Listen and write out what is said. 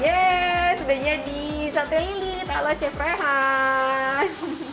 yes sudah jadi sate lilit ala chef rehan